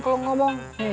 kalau enggak bang